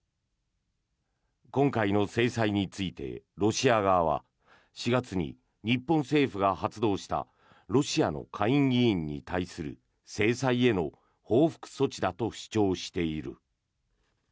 今回の制裁についてロシア側は４月に日本政府が発動したロシアの下院議員に対する制裁への報復措置だと主張している。